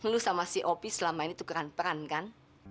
lo sama si opi selama ini tukeran peran kan